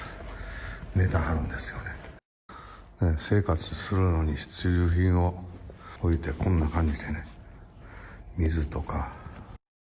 生活するのに必需品を置いて、こんな感じでね、水とか。